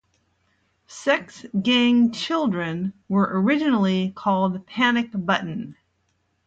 Sex Gang Children were originally called Panic Button.